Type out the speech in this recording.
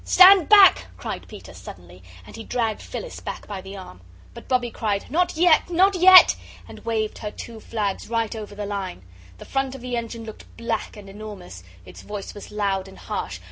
"Stand back!" cried Peter, suddenly, and he dragged Phyllis back by the arm. But Bobbie cried, "Not yet, not yet!" and waved her two flags right over the line. The front of the engine looked black and enormous. Its voice was loud and harsh.